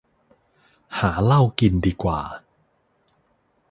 หาเหล้ากินดีกว่า